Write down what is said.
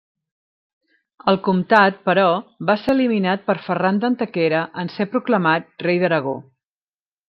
El comtat, però, va ser eliminat per Ferran d'Antequera en ser proclamat rei d'Aragó.